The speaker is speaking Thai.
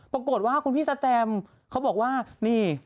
ปรากฏว่าคุณพี่สแตมเขาบอกว่านี่